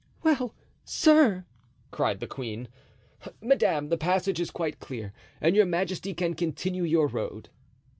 "Well, sir!" cried the queen. "Madame, the passage is quite clear and your majesty can continue your road."